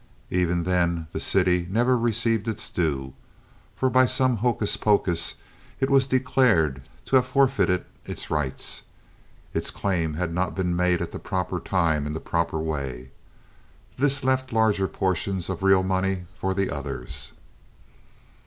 Even then the city never received its due, for by some hocus pocus it was declared to have forfeited its rights. Its claims had not been made at the proper time in the proper way. This left larger portions of real money for the others.